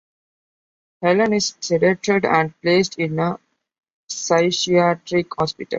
Helen is sedated and placed in a psychiatric hospital.